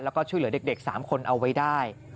แล้วก็ช่วยเหลือเด็ก๓คนเอาไว้ได้